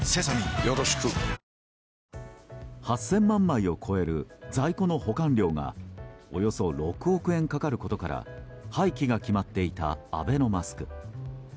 ８０００万枚を超える在庫の保管料がおよそ６億円かかることから廃棄が決まっていたアベノマスク。